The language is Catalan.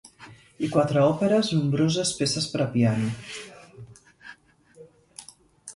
I quatre òperes, nombroses peces per a piano.